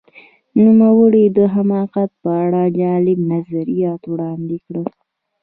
نوموړي د حماقت په اړه جالب نظریات وړاندې کړل.